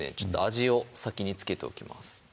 味を先に付けておきます